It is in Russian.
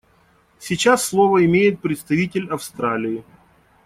Сейчас слово имеет представитель Австралии.